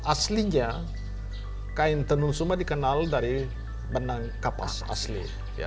aslinya kain tenun sumba dikenal dari benang kapas asli